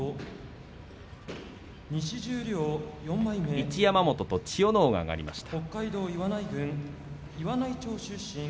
一山本と千代ノ皇が上がりました。